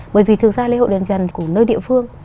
bởi vì thực ra lễ hội đền trần của nơi địa phương